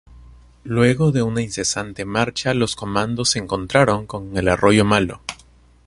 Luego de una incesante marcha, los comandos se encontraron con el arroyo Malo.